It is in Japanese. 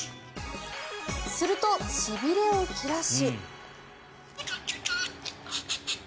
すると、しびれを切らし。